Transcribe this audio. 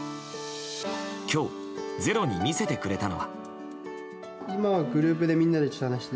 今日、「ｚｅｒｏ」に見せてくれたのは。